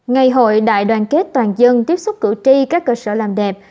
ngày hội đại đoàn kết toàn dân tiếp xúc cử tri các cơ sở làm đẹp